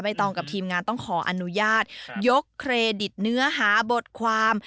ตองกับทีมงานต้องขออนุญาตยกเครดิตเนื้อหาบทความ